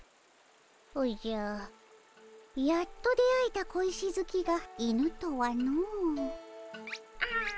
おじゃやっと出会えた小石好きが犬とはの。